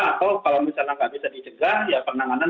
atau kalau misalnya tidak bisa dijegah ya penanganan